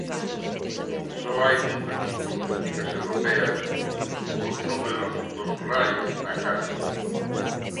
Só hai cinco equipos nas ligas Europeas cos números dos Raio na casa.